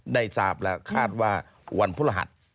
ได้ทราบแล้วคาดว่าวันพฤหัส